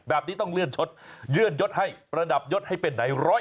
แบบนี้ต้องเลื่อนชดเลื่อนยดให้ประดับยศให้เป็นไหน๑๐๐